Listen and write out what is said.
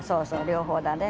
両方だね。